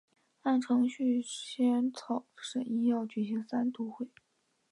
按程序宪草审议要举行三读会。